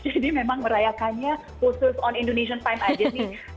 jadi memang merayakannya khusus on indonesian time aja nih